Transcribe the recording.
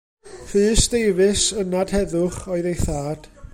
Rhys Davies, ynad heddwch, oedd ei thad.